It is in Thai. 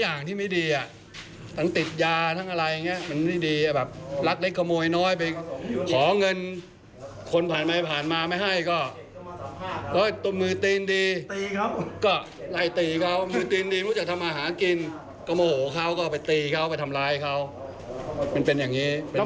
อันนี้เจ้าว่ารู้พฤติกรรมมีคนไปฟ้อง